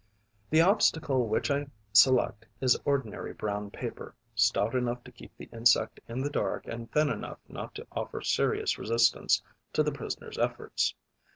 The obstacle which I select is ordinary brown paper, stout enough to keep the insect in the dark and thin enough not to offer serious resistance to the prisoner's efforts.